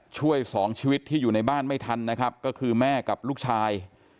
ช่วยสองชีวิตที่อยู่ในบ้านไม่ทันนะครับก็คือแม่กับลูกชาย